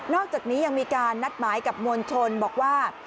อกจากนี้ยังมีการนัดหมายกับมวลชนบอกว่า